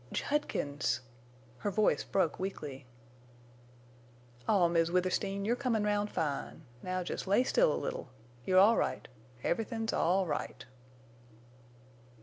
"Judkins!" Her voice broke weakly. "Aw, Miss Withersteen, you're comin' round fine. Now jest lay still a little. You're all right; everythin's all right."